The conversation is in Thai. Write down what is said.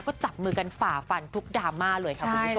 ก็จับมือกันฝ่าฟันทุกดราม่าเลยค่ะคุณผู้ชม